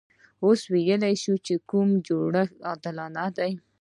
اوس ویلای شو چې کوم جوړښت عادلانه دی.